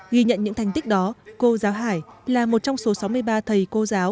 ghi nhận những thành tích đó cô giáo hải là một trong số sáu mươi ba thầy cô giáo